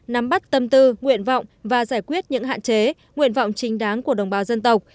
nắm bắt tâm tư nguyện vọng và giải quyết những hạn chế nguyện vọng chính đáng của đồng bào dân tộc